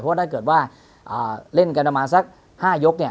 เพราะถ้าเกิดว่าเล่นกันต่อมา๕ยก